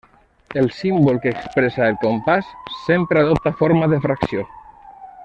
El símbol que expressa el compàs sempre adopta forma de fracció.